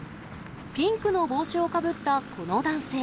ピンクの帽子をかぶったこの男性。